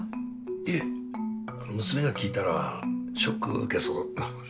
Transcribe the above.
いえ娘が聞いたらショック受けそうなので。